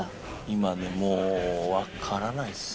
今ねもうわからないです。